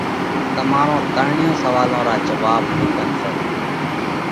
تمارون ترڻيون سوئالون را جواٻ مُون ڪنَ سئہ۔